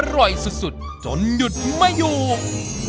อร่อยสุดจนหยุดไม่อยู่